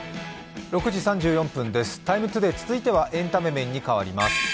「ＴＩＭＥ，ＴＯＤＡＹ」続いてはエンタメ面に変わります。